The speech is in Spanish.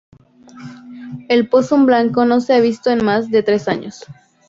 El Possum blanco no se ha visto en más de tres años.